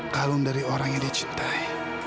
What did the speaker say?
kalung dari orang yang dia cintai